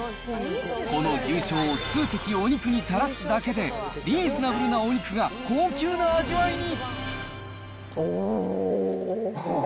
この牛醤を数滴お肉にたらすだけで、リーズナブルなお肉が高級なおー！